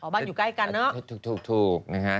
บ้านอยู่ใกล้กันเนอะถูกนะฮะ